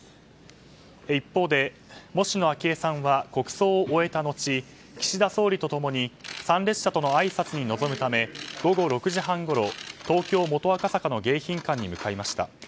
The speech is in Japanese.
一方で、喪主の昭恵さんは国葬を終えた後岸田総理と共に参列者とのあいさつに臨むため午後６時半ごろ東京・元赤坂の迎賓館に向かいました。